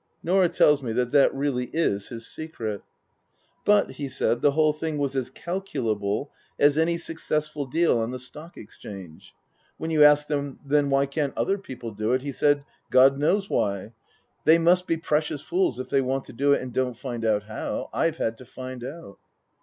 Norah tells me that that really is his secret. Book II : Her Book 159 But, he said, the whole thing was as calculable as any successful deal on the Stock Exchange. When you asked him :" Then why can't other people do it ?" he said :" God knows why. They must be precious fools if they want to do it and don't find out how. I've had to find out."